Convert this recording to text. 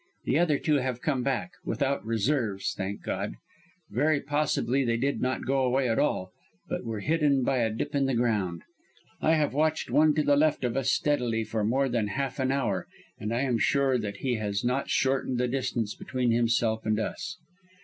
The other two have come back without 'reserves,' thank God. Very possibly they did not go away at all, but were hidden by a dip in the ground. I cannot see that any of them are nearer. I have watched one to the left of us steadily for more than half an hour and I am sure that he has not shortened the distance between himself and us.